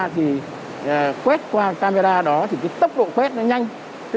thì quét qua camera đó tốc độ quét nhanh tức là lưu lượng người đi sẽ nhanh hơn